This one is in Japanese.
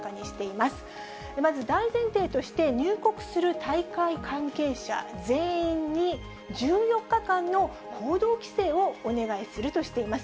まず大前提として、入国する大会関係者全員に、１４日間の行動規制をお願いするとしています。